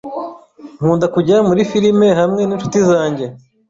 Nkunda kujya muri firime hamwe n'inshuti zanjye.